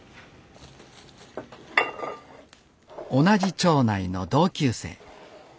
同じ町内の同級生。